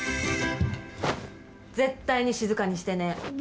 絶対に静かにしてね。